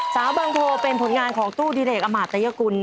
บางโพเป็นผลงานของตู้ดิเดกอมาตยกุล